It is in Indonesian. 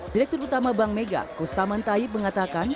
direktur utama bank mega kustaman taib mengatakan